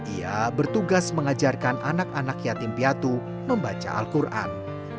ia bertugas mengajarkan anak anak yatim piatu membaca al quran